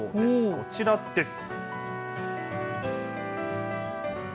こちらです。